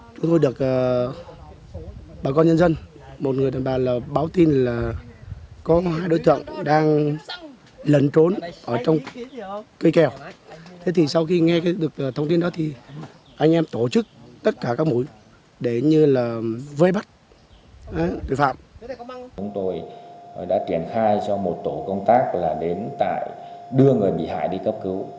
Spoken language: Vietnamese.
chúng tôi đã triển khai cho một tổ công tác là đến tại đưa người bị hại đi cấp cứu